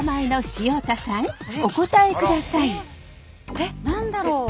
えっ何だろう。